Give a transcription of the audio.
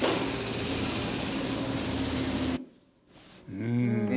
うん。